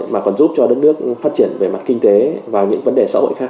mà còn giúp cho đất nước phát triển về mặt kinh tế